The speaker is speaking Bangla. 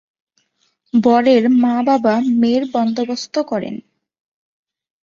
বরের মা-বাবা মেয়ের বন্দোবস্ত করেন।